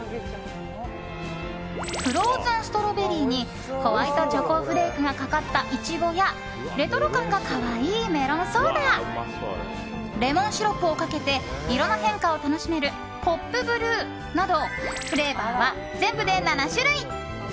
フローズンストロベリーにホワイトチョコフレークがかかったいちごやレトロ感が可愛いメロンソーダレモンシロップをかけて色の変化を楽しめるポップブルーなどフレーバーは全部で７種類。